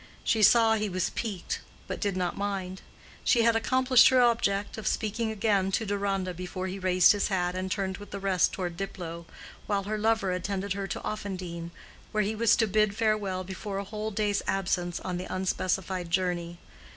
She saw he was piqued, but did not mind. She had accomplished her object of speaking again to Deronda before he raised his hat and turned with the rest toward Diplow, while her lover attended her to Offendene, where he was to bid farewell before a whole day's absence on the unspecified journey.